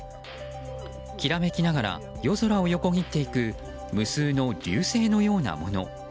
きらめきながら夜空を横切っていく無数の流星のようなもの。